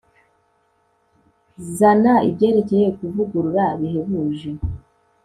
Zana ibyerekeye kuvugurura bihebuje